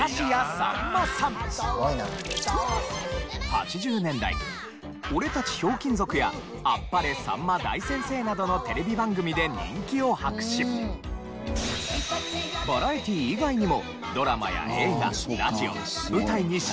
８０年代『オレたちひょうきん族』や『あっぱれさんま大先生』などのテレビ番組で人気を博しバラエティー以外にも。